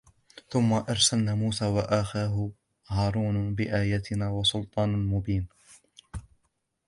ثم أرسلنا موسى وأخاه هارون بآياتنا وسلطان مبين